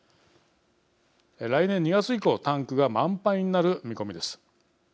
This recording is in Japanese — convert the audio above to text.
来年２月以降タンクが満杯になる見込みです。